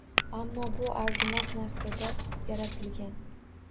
Ammo bu arzimas narsada yaratilgan.